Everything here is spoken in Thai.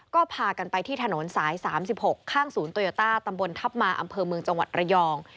ก็พากันไปที่ถนนสาย๓๖ข้างศูนย์โตโยต้าตำบลทัพมาอำเภอเมืองจังหวัดระยอง